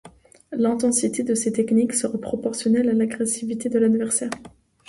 L'intensité de ces techniques sera proportionnelle à l'agressivité de l'adversaire.